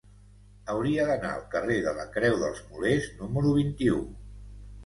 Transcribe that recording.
Hauria d'anar al carrer de la Creu dels Molers número vint-i-u.